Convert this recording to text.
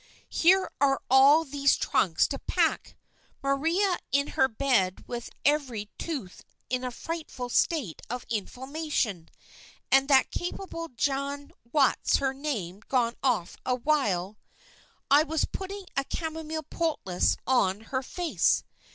Here are all these trunks to pack, Maria in her bed with every tooth in a frightful state of inflammation, and that capable Jane What's her name gone off while I was putting a chamomile poultice on her face.